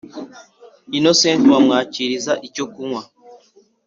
innocent bamwakiriza icyo kunwa